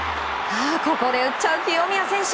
ここで打っちゃう清宮選手